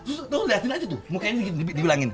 lo liatin aja tuh mukanya gitu digulangin